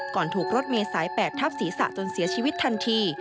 ถูกรถเมย์สาย๘ทับศีรษะจนเสียชีวิตทันที